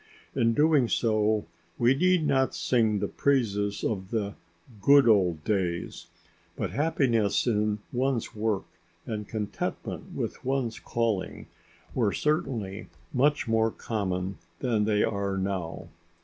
In doing so we need not sing the praises of the "good old days." But happiness in one's work and contentment with one's calling were certainly much more common than they are now.